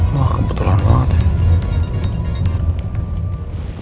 wah kebetulan banget ya